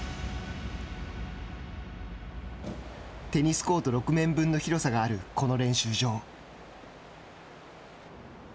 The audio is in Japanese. テニスコート６面分の広さがあるこの練習場。